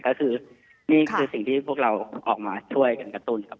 ก็คือนี่คือสิ่งที่พวกเราออกมาช่วยกันกระตุ้นครับ